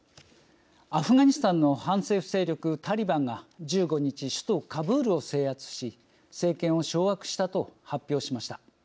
アフガニスタンの反政府勢力タリバンが１５日、首都カブールを制圧し政権を掌握したと発表しました。